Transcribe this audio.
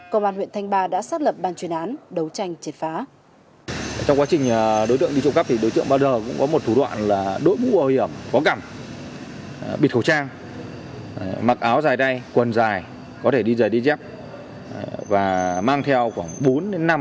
công an huyện thanh ba đã xác lập ban chuyên án đấu tranh triệt phá